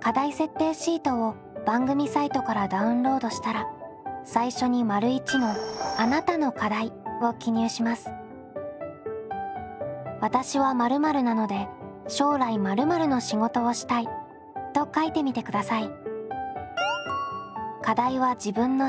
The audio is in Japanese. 課題設定シートを番組サイトからダウンロードしたら最初に「わたしは○○なので将来○○の仕事をしたい」と書いてみてください。